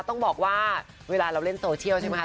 ต้องบอกว่าเวลาเราเล่นโซเชียลใช่ไหมคะ